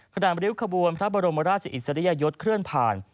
ริ้วขบวนพระบรมราชอิสริยยศเคลื่อนผ่าน